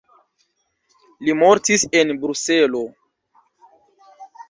Li mortis en Bruselo.